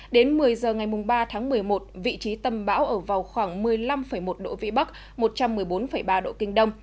đến một mươi giờ ngày ba tháng một mươi một vị trí tâm bão ở vào khoảng một mươi năm một độ vĩ bắc một trăm một mươi bốn ba độ kinh đông